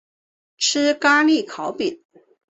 吃咖哩烤饼